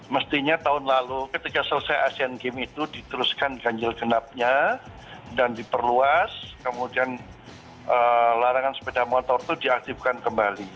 mestinya tahun lalu ketika selesai asean games itu diteruskan ganjil genapnya dan diperluas kemudian larangan sepeda motor itu diaktifkan kembali